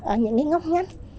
ở những ngóc ngách